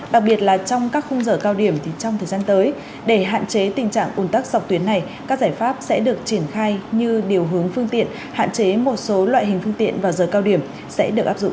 đặc biệt là trong các khung giờ cao điểm thì trong thời gian tới để hạn chế tình trạng ủn tắc dọc tuyến này các giải pháp sẽ được triển khai như điều hướng phương tiện hạn chế một số loại hình phương tiện vào giờ cao điểm sẽ được áp dụng